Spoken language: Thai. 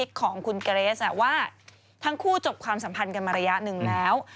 ของคุณเกรสว่าทั้งคู่จบความสัมพันธ์กันมาระยะหนึ่งแล้ว